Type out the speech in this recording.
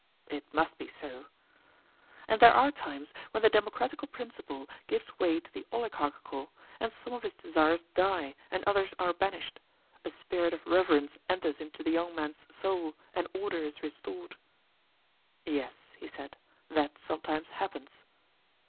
It must be so. And there are times when the democratical principle gives way to the oligarchical, and some of his desires die, and others are banished; a spirit of reverence enters into the young man's soul and order is restored. Yes, he said, that sometimes happens.